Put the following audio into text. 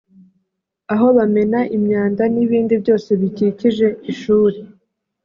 aho bamena imyanda n’ibindi byose bikikije ishuri